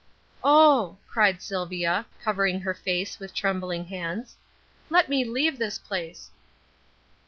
"Oh," cried Sylvia, covering her face with trembling hands, "let me leave this place!"